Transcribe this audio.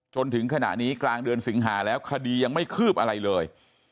จนถึงขณะนี้กลางเดือนสิงหาแล้วคดียังไม่คืบอะไรเลย